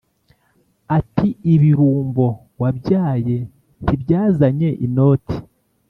Ati: “Ibirumbo wabyaye Ntibyazanye inoti?